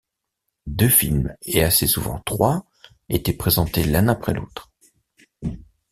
Deux films et assez souvent trois étaient présentés l'un après l'autre.